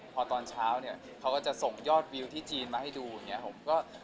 พอตอนเช้าเนี่ยเขาก็จะส่งยอดวิวที่จีนมาให้ดูอย่างนี้ผมก็